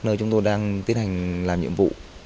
nơi chúng tôi đang tiến hành làm nhiệm vụ